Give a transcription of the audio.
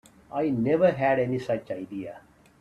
I never had any such idea.